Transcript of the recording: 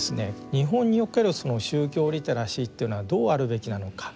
日本におけるその宗教リテラシーっていうのはどうあるべきなのか。